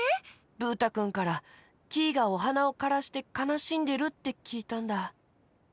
ブー太くんからキイがおはなをからしてかなしんでるってきいたんだ。